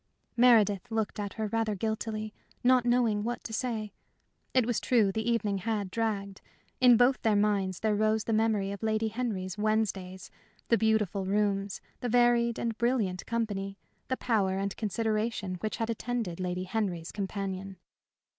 Meredith looked at her rather guiltily, not knowing what to say. It was true the evening had dragged. In both their minds there rose the memory of Lady Henry's "Wednesdays," the beautiful rooms, the varied and brilliant company, the power and consideration which had attended Lady Henry's companion.